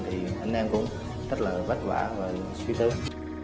thì anh em cũng rất là vất vả và suy tớ